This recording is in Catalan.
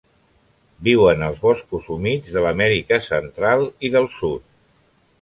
Viuen als boscos humits de l'Amèrica Central i del Sud.